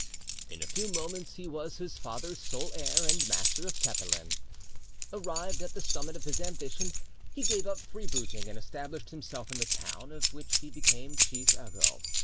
In a few moments he was his father's sole heir and master of Tepelen. Arrived at the summit of his ambition, he gave up free booting, and established himself in the town, of which he became chief ago.